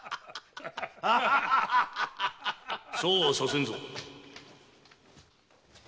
・そうはさせんぞ。